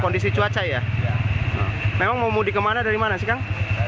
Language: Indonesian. dari cangkras mau ke kampung kota agung